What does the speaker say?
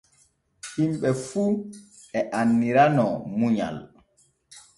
Himɓe fu e annirimo munyal.